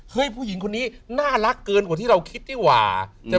ผู้หญิงคนนี้น่ารักเกินกว่าที่เราคิดนี่หว่า